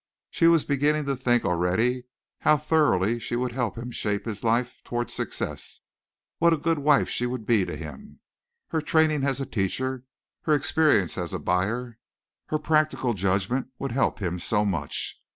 She was beginning to think already of how thoroughly she would help him shape his life toward success what a good wife she would be to him. Her training as a teacher, her experience as a buyer, her practical judgment, would help him so much.